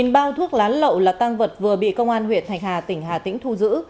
một mươi bao thuốc lá lậu là tăng vật vừa bị công an huyện thạch hà tỉnh hà tĩnh thu giữ